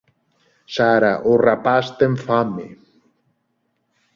Sara, o rapaz ten fame.